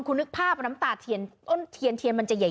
คุณนึกภาพน้ำตาเทียนต้นเทียนเทียนมันจะใหญ่